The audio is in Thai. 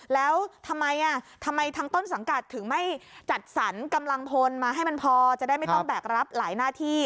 แล้วทำไมทำไมทางต้นสังกัดถึงไม่จัดสรรกำลังพลมาให้มันพอจะได้ไม่ต้องแบกรับหลายหน้าที่